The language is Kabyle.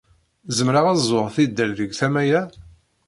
Zemreɣ ad ẓẓuɣ tidal deg tama-a?